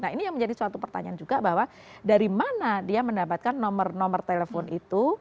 nah ini yang menjadi suatu pertanyaan juga bahwa dari mana dia mendapatkan nomor nomor telepon itu